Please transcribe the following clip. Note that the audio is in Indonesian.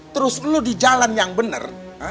terus lu di jalan yang bener